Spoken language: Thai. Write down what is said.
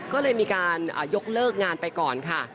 ก็เลยมีการยกเลิกงานไปก่อนค่ะ